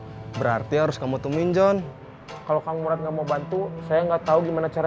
bantu berarti harus kamu temuin john kalau kamu nggak mau bantu saya nggak tahu gimana cara